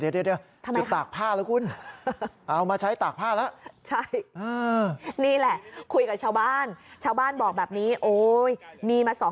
เดี๋ยวเดี๋ยว